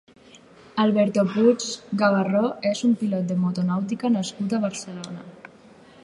Alberto Puig Gabarró és un pilot de motonàutica nascut a Barcelona.